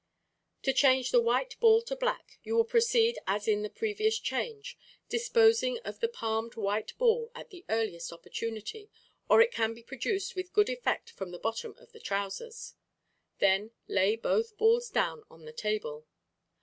To change the white ball to black, you will proceed as in the previous change, disposing of the palmed white ball at the earliest opportunity, or it can be produced with good effect from the bottom of the trousers. Then lay both balls down on the table.